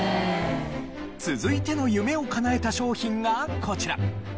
続いての夢をかなえた商品がこちら。